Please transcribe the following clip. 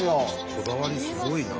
こだわりすごいな。